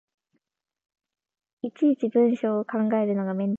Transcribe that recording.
いちいち文章を考えるのがめんどくさい